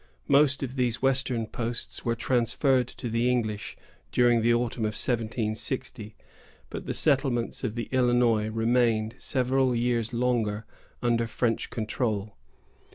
Most of these western posts were transferred to the English, during the autumn of 1760; but the settlements of the Illinois remained several years longer under French control.